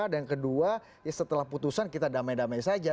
dan kedua setelah putusan kita damai damai saja